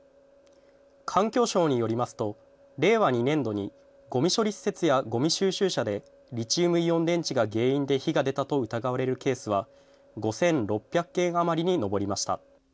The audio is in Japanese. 環境省によりますと、令和２年度にごみ処理施設やごみ収集車で、リチウムイオン電池が原因で火が出たと疑われるケースは、５６００件余りに上りました。